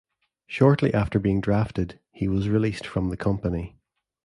Shortly after being drafted, he was released from the company.